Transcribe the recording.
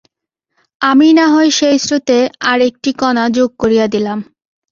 আমিই নাহয় সেই স্রোতে আর-একটি কণা যোগ করিয়া দিলাম।